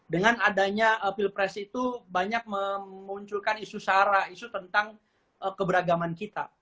dengan adanya pilpres itu banyak memunculkan isu sara isu tentang keberagaman kita